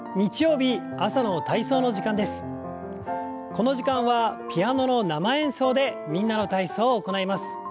この時間はピアノの生演奏で「みんなの体操」を行います。